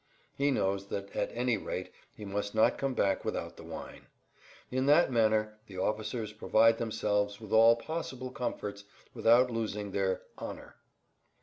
He knows that at any rate he must not come back without the wine. In that manner the officers provide themselves with all possible comforts without losing their "honor."